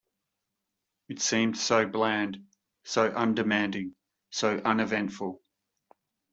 It seemed so bland, so undemanding, so uneventful...